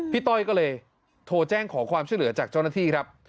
ต้อยก็เลยโทรแจ้งขอความช่วยเหลือจากเจ้าหน้าที่ครับ